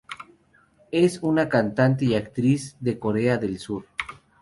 Es una cantante y actriz de Corea del Sur.